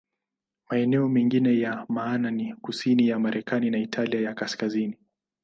Maeneo mengine ya maana ni kusini ya Marekani na Italia ya Kaskazini.